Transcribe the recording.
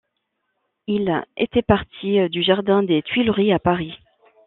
Ils étaient partis du jardin des Tuileries à Paris.